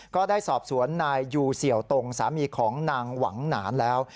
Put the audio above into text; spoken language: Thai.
ก็ได้สอบสวนนายยูเสี่ยวตรงสามีของนางหวังหนานแล้ว